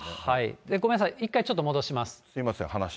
ごめんなさい、一回ちょっと戻します。